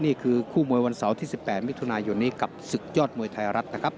นี่คือคู่มวยวันเสาร์ที่๑๘มิถุนายนนี้กับศึกยอดมวยไทยรัฐนะครับ